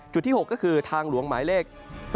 จุดที่หกก็คือทางหลวงหมายเลข๓๙๐๑๓๙๐๒